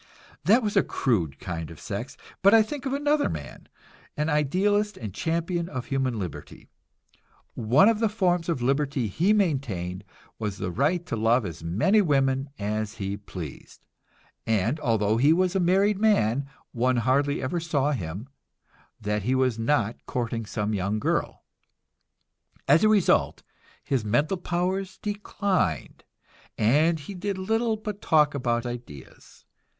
That was a crude kind of sex; but I think of another man, an idealist and champion of human liberty. One of the forms of liberty he maintained was the right to love as many women as he pleased, and although he was a married man, one hardly ever saw him that he was not courting some young girl. As a result, his mental powers declined, and he did little but talk about ideas.